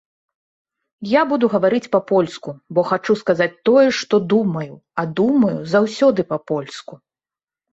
Я буду гаварыць па-польску, бо хачу сказаць тое, што думаю, а думаю заўсёды па-польску.